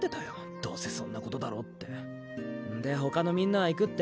どうせそんなことだろうってんでほかのみんなは行くって？